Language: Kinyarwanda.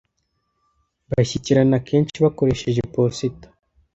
Bashyikirana kenshi bakoresheje posita.